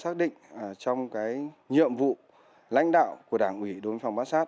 xác định trong cái nhiệm vụ lãnh đạo của đảng ủy đối với phòng bá sát